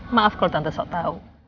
maaf kalau tante sok tau